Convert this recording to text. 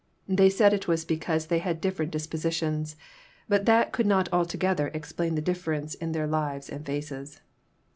They said it was because they had different dispositions, but that could not alto gether explain the difference in their lives and faces.